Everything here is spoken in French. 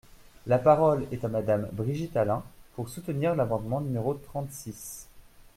La parole est à Madame Brigitte Allain, pour soutenir l’amendement numéro trente-six.